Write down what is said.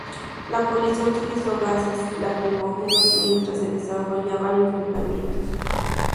La Policía utilizó gases lacrimógenos, mientras se desarrollaban enfrentamientos.